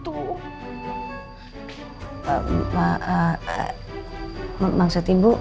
tuh ibu seneng kalo gitu